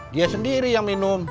dia sendiri yang minum